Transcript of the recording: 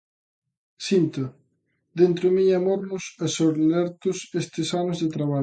Sinto dentro miña mornos e solertes estes anos de traballo.